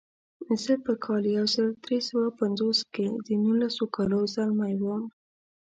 زه په کال یو زر درې سوه پنځوس کې د نولسو کالو ځلمی وم.